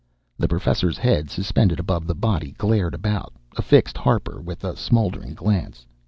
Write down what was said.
The Professor's head, suspended above the body, glared about, affixed Harper with a smouldering glance.